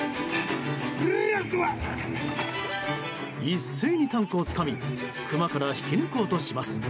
一斉にタンクをつかみクマから引き抜こうとします。